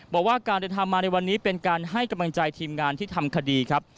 บอกว่าการเดินทางมาในวันนี้เป็นการให้กำลังใจทีมงานที่ทำคดีครับ